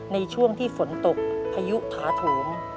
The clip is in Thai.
ในช่วงที่ฝนตกพายุถาโถม